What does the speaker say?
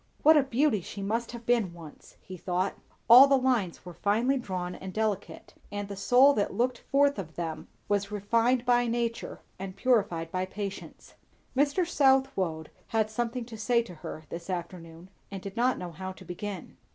What a beauty she must have been once, he thought; all the lines were finely drawn and delicate; and the soul that looked forth of them was refined by nature and purified by patience. Mr. Southwode had something to say to her this afternoon, and did not know how to begin.